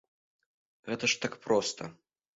Гэта ж так проста.